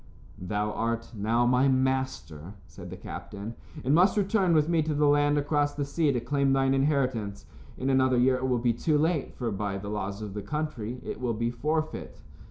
"Thou art now my master," said the captain, "and must return with me to the land across the sea to claim thine inheritance. In another year it will be too late, for by the laws of the country it will be forfeit."